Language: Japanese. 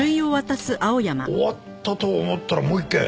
終わったと思ったらもう一件。